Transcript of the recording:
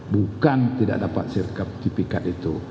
bukan tidak dapat sertifikat itu